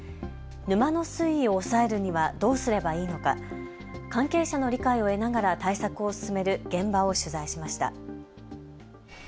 沼の水位を抑えるにはどうすればいいのか、関係者の理解を得ながら対策を進める現場を取材しました。